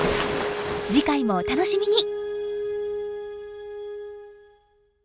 次回もお楽しみに！